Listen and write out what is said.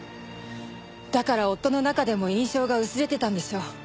だから夫の中でも印象が薄れてたんでしょう。